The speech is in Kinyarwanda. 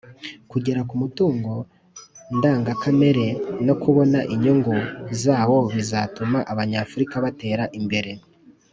Kugera ku mutungo ndangakamere no kubona inyungu zawo bizatuma abanyafurika batera imbere